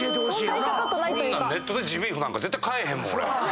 ネットでジビーフなんか絶対買えへんもん俺。